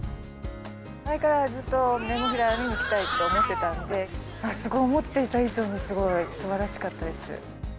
前からずっとネモフィラ見に来たいと思ってたんで、すごい思っていた以上に、すごい、すばらしかったです。